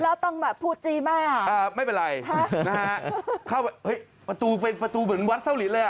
แล้วต้องแบบพูดจี้แม่ไม่เป็นไรนะฮะเข้าไปเฮ้ยประตูเป็นประตูเหมือนวัดเศร้าลินเลยอ่ะ